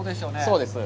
そうです。